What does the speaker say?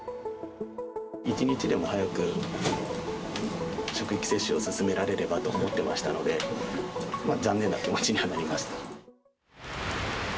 一日でも早く職域接種を進められればと思ってましたので、残念な気持ちにはなりました。